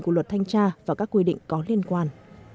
của luật thanh tra và các quy định có liên quan